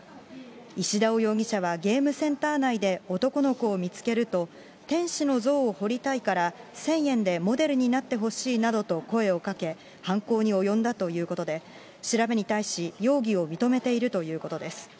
石田尾容疑者はゲームセンター内で男の子を見つけると、天使の像を彫りたいから、１０００円でモデルになってほしいなどと声をかけ、犯行に及んだということで、調べに対し、容疑を認めているということです。